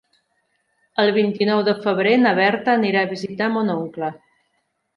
El vint-i-nou de febrer na Berta anirà a visitar mon oncle.